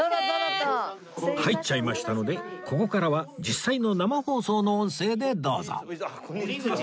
入っちゃいましたのでここからは実際の生放送の音声でどうぞ